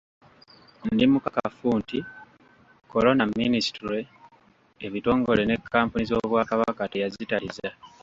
Ndi mukakafu nti Corona minisitule, ebitongole ne kkampuni z'Obwakabaka teyazitaliza.